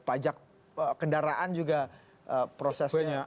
pajak kendaraan juga prosesnya